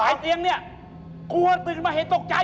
เตียงเนี่ยกลัวตื่นมาเห็นตกใจ